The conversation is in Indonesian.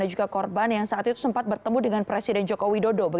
dan juga korban yang sempat bertemu dengan presiden jokowi dodo